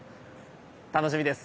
楽しみです。